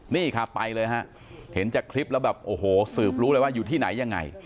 นี่ครับไปเลยฮะเห็นจากคลิปแล้วแบบโอ้โหสืบรู้เลยว่าอยู่ที่ไหนยังไง